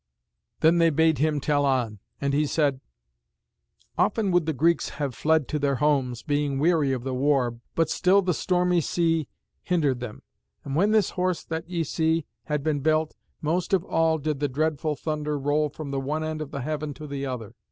Then they bade him tell on, and he said, "Often would the Greeks have fled to their homes, being weary of the war, but still the stormy sea hindered them. And when this Horse that ye see had been built, most of all did the dreadful thunder roll from the one end of the heaven to the other.